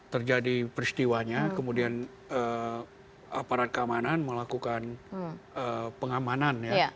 terjadi peristiwanya kemudian aparat keamanan melakukan pengamanan ya